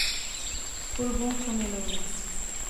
پُھل بہوں سونے لغنے